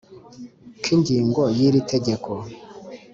ka k ingingo ya y iri tegeko